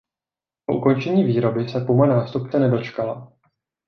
Po ukončení výroby se Puma nástupce nedočkala.